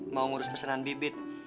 mau ngurus pesanan bibit